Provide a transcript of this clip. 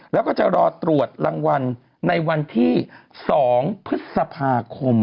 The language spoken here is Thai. แล้วก็จะรอตรวจรางวัลในวันที่๒พฤษภาคม